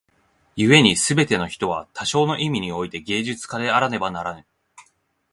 故に凡ての人は多少の意味に於て芸術家であらねばならぬ。